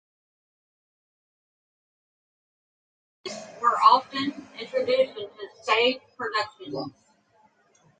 Glees were also often introduced into stage productions.